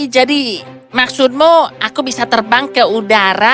jadi maksudmu aku bisa terbang ke udara